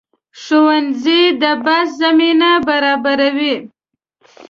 ښوونځی د بحث زمینه برابروي